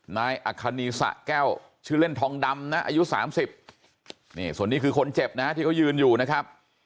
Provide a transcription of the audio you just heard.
นายอัคคณีสะแก้วชื่อเล่นทองดำนะอายุ๓๐นี่ส่วนนี้คือคนเจ็บนะที่เขายืนอยู่นะครับ